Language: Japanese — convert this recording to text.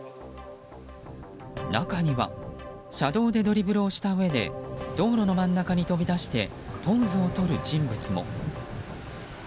中には車道でドリブルをしたうえで道路の真ん中に飛び出してポーズをとる人物も。